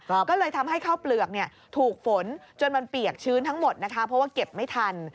เพราะว่าเก็บไม่ทัน